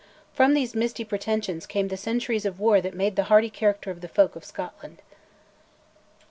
From these misty pretensions came the centuries of war that made the hardy character of the folk of Scotland.